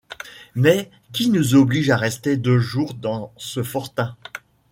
Mais qui nous oblige à rester deux jours dans ce fortin?